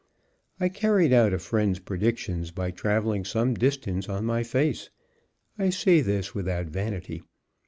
I carried out a friend's prediction by traveling some distance on my face; I say this without vanity.